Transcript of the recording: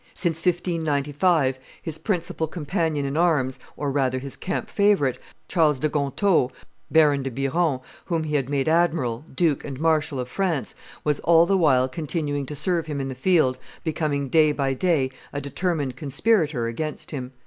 Since 1595, his principal companion in arms, or rather his camp favorite, Charles de Gontaut, Baron de Biron, whom he had made admiral, duke, and marshal of France, was, all the while continuing to serve him in the field, becoming day by day a determined conspirator against him.